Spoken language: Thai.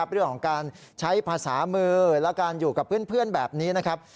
เรื่องของการใช้ภาษามือและการอยู่กับเพื่อนแบบนี้นะครับ